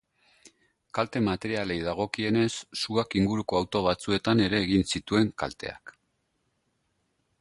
Kalte materialei dagokienez, suak inguruko auto batzuetan ere egin zituen kalteak.